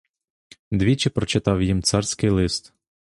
Двічі прочитав їм царський лист.